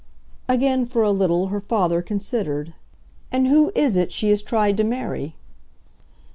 Again for a little her father considered. "And who is it she has tried to marry?"